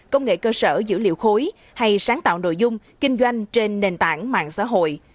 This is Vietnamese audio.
công nghệ cơ sở dữ liệu khối hay sáng tạo nội dung kinh doanh trên nền tảng mạng xã hội